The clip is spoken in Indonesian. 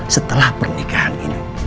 setelah pernikahan ini